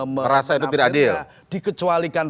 merasa itu tidak adil dikecualikan